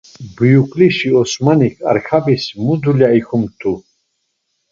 Buyuklişi Osmanik Arkabis mu dulya ikomt̆u?